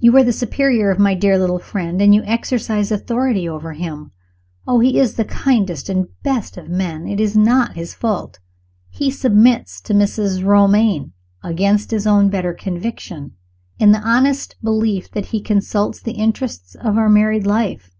You are the superior of my dear little friend, and you exercise authority over him. Oh, he is the kindest and best of men! It is not his fault. He submits to Mrs. Romayne against his own better conviction in the honest belief that he consults the interests of our married life."